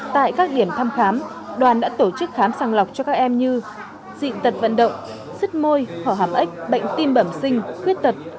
tại các điểm thăm khám đoàn đã tổ chức khám sàng lọc cho các em như dị tật vận động sức môi hở hàm ếch bệnh tim bẩm sinh khuyết tật